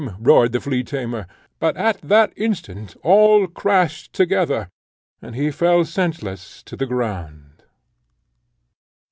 roared the flea tamer; but at the instant all crashed together, and he fell senseless to the ground.